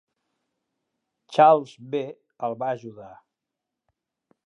Charles B. el va ajudar.